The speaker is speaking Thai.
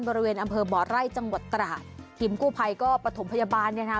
บริเวณอำเภอบ่อไร่จังหวัดตราดทีมกู้ภัยก็ประถมพยาบาลเนี่ยนะคะ